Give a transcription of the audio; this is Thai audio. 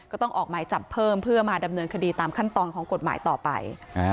ก็ต้องออกหมายจับเพิ่มเพื่อมาดำเนินคดีตามขั้นตอนของกฎหมายต่อไป